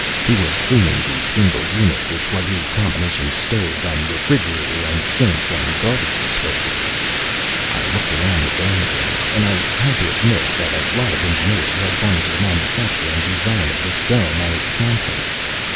He was cleaning the single unit which was his combination stove and refrigerator and sink and garbage disposal. I looked around the dome again, and I had to admit that a lot of ingenuity had gone into the manufacture and design of this dome and its contents.